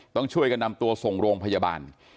ต้องช่วยกันนำตัวส่งโรงพยาบาล